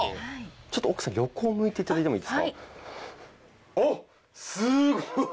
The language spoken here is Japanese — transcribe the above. ちょっと奥さん横を向いて頂いてもいいですか？